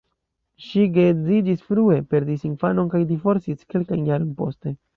Ŝi geedziĝis frue, perdis infanon kaj divorcis kelkajn jarojn poste.